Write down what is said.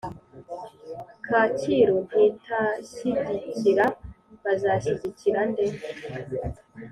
Kacyiru ntitanshyigikira bazashyigikira nde